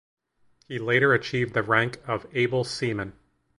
He later achieved the rank of able seaman.